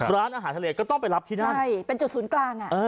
ร้านอาหารทะเลก็ต้องไปรับที่นั่นใช่เป็นจุดศูนย์กลางอ่ะ